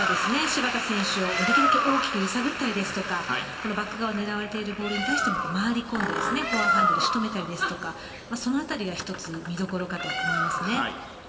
芝田選手をできるだけ大きく揺さぶったりですとかバック側狙われているボールに対して回り込んでフォアハンドで仕留めたりですとかそのあたりが一つ見どころだと思います。